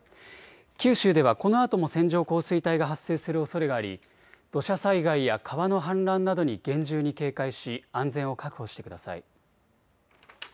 九州ではこのあとも線状降水帯が発生するおそれがあり土砂災害や川の氾濫などに厳重に警戒し安全を確保してください。